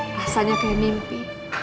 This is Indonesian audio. rasanya kayak mimpi